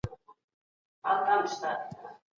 بانکونه څنګه کولای سي له وړو سوداګرو سره مرسته وکړي؟